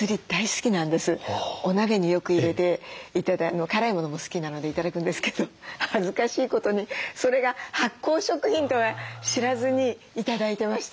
お鍋によく入れて辛いものも好きなので頂くんですけど恥ずかしいことにそれが発酵食品とは知らずに頂いてました。